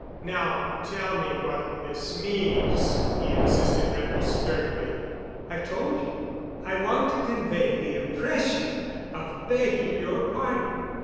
"Now tell me what this means," he insisted rather sternly. "I've told you. I want to convey the impression of begging your pardon.